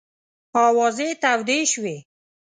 آوازې تودې شوې.